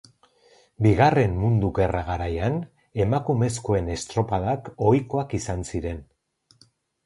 Bigarren Mundu Gerra garaian emakumezkoen estropadak ohikoak izan ziren.